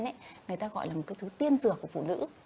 người ta gọi là một cái thứ tiên dược của phụ nữ